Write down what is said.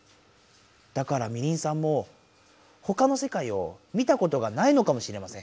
だからミリンさんもほかのせかいを見たことがないのかもしれません。